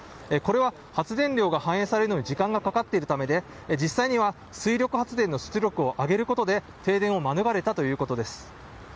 これは、発電量が反映されるのに時間がかかっているためで、実際には水力発電の出力を上げることで停電をまぬがれたということです。